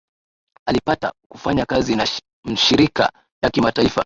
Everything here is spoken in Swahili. Alipata kufanya kazi na mshirika ya kimataifa